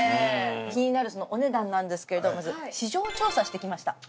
気になるそのお値段なんですけども市場調査してきました。